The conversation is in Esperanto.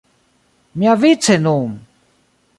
Miavice nun!